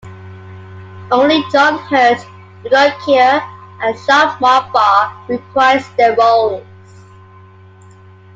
Only John Hurt, Udo Kier, and Jean-Marc Barr reprise their roles.